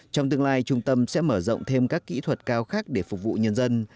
trong tương lai trung tâm sẽ mở rộng thêm các kỹ thuật cao khác để phục vụ nhân dân